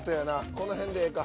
この辺でええか。